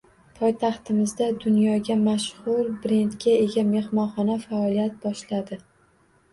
Poytaxtimizda dunyoga mashhur brendga ega mehmonxona faoliyat boshladi